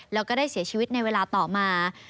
แล้วก็ได้เสียชีวิตในเวลาต่อมา